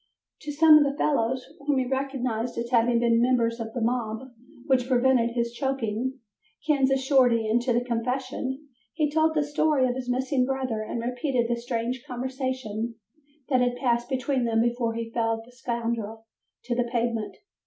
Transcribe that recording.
To some of the fellows whom he recognized as having been members of the "mob" which prevented his choking Kansas Shorty into a confession, he told the story of his missing brother and repeated the strange conversation that had passed between them before he felled the scoundrel to the pavement.